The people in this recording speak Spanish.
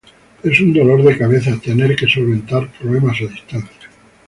es un dolor de cabeza tener que solventar problemas a distancia